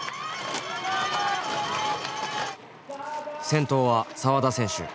先頭は沢田選手。